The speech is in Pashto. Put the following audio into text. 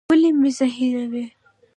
ولي مي زهيروې؟